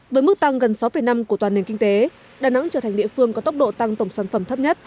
với mức tăng gần sáu năm của toàn nền kinh tế đà nẵng trở thành địa phương có tốc độ tăng tổng sản phẩm thấp nhất